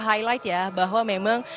highlight ya bahwa memang